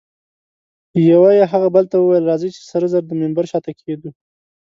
یوه یې هغه بل ته وویل: راځئ چي سره زر د منبر شاته کښېږدو.